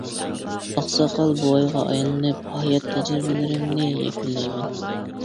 ئاقساقال بوۋايغا ئايلىنىپ ھايات تەجرىبىلىرىمنى يەكۈنلەيمەن.